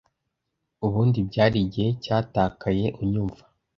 Ubundi byari igihe cyatakaye unyumva.